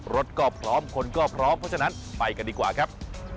รถก็พร้อมคนก็พร้อมเพราะฉะนั้นไปกันดีกว่าครับ